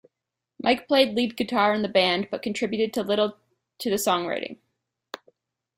Mike played lead guitar in the band, but contributed little to the songwriting.